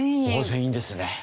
全員ですね。